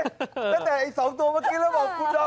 ตั้งแต่ไอ้๒ตัวเมื่อกี้แล้วบอกคุณดอม